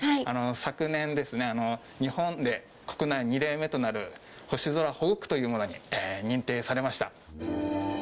昨年、日本で国内２例目となる星空保護区というものに認定されました。